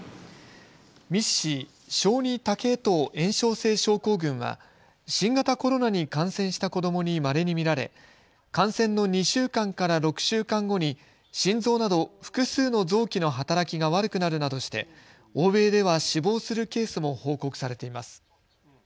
ＭＩＳ−Ｃ・小児多系統炎症性症候群は新型コロナに感染した子どもにまれに見られ感染の２週間から６週間後に心臓など複数の臓器の働きが悪くなるなどして欧米では死亡するケースも報告されています。